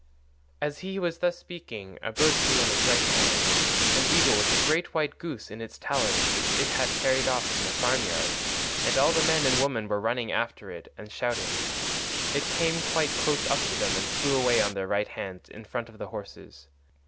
As he was thus speaking a bird flew on his right hand—an eagle with a great white goose in its talons which it had carried off from the farm yard—and all the men and women were running after it and shouting. It came quite close up to them and flew away on their right hands in front of the horses.